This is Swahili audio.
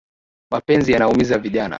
Mapenzi yanaumiza vijana